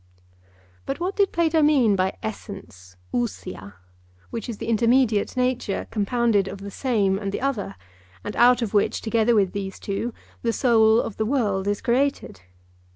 But what did Plato mean by essence, (Greek), which is the intermediate nature compounded of the Same and the Other, and out of which, together with these two, the soul of the world is created?